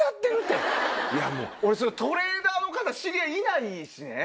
俺トレーダーの方知り合いいないしね。